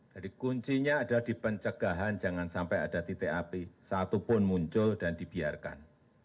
jadi kuncinya ada di pencegahan jangan sampai ada titik api satu pun muncul dan dibiarkan